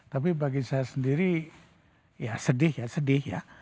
tapi bagi saya sendiri ya sedih ya sedih ya